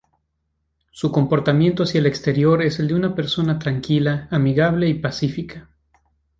Su comportamiento hacia el exterior es el de una persona tranquila, amigable y pacífica.